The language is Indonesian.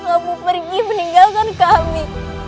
kamu pergi meninggalkan kami